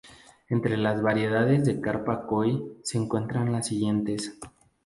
Entre las variedades de carpa koi se encuentran las siguientes.